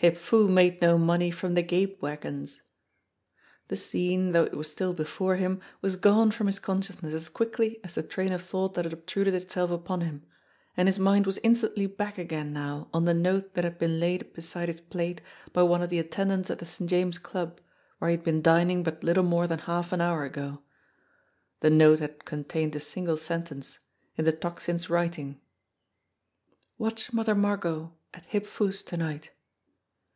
Hip Foo made no money from the gape wagons ! The scene, though it was still before him, was gone from his consciousness as quickly as the train of thought that had obtruded itself upon him, and his mind was instantly back again now on the note that had been laid beside his plate by one of the attendants at the St. James Club, where he had been dining but little more than half an hour ago. The note had contained a single sentence in the Tocsin's writing : "Watch Mother Margot at Hip Foo's to night."